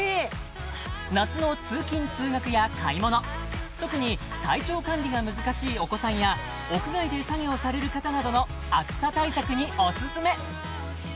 夏の通勤・通学や買い物特に体調管理が難しいお子さんや屋外で作業される方などの暑さ対策にオススメ！